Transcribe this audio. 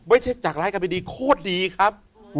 ไม่ใช่จักร้ายกลายเป็นดีโคตรดีครับ